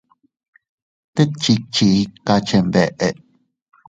Tet chikchi ikaa chenbeʼe.